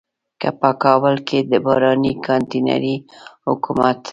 که په کابل کې د رباني کانتينري حکومت.